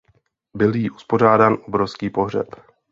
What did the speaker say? Byl jí uspořádán obrovský pohřeb.